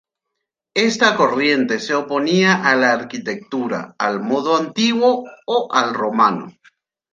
Esta corriente se oponía a la arquitectura "al modo antiguo" o "al romano".